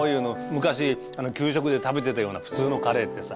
昔給食で食べてたような普通のカレーってさ。